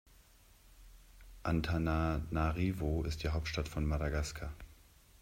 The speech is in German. Antananarivo ist die Hauptstadt von Madagaskar.